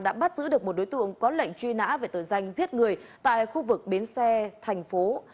đã bắt giữ được một đối tượng có lệnh truy nã về tội danh giết người tại khu vực bến xe thành phố